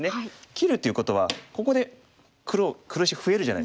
切るということはここで黒石増えるじゃないですか。